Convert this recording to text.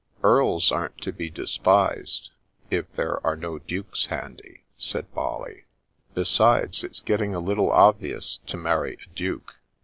" Earls aren't to be despised, if there are no Dukes handy," said Molly. " Besides, it's getting a little obvious to marry a Duke."